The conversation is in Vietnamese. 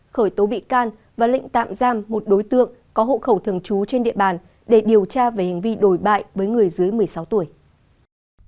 khởi tố bị can và lệnh tạm giam một đối tượng có hộ khẩu thường trú trên địa bàn để điều tra về hành vi đổi bại với người dưới một mươi sáu tuổi